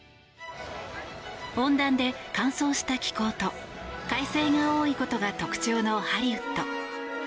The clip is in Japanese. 温暖で乾燥した気候と快晴が多いことが特徴のハリウッド。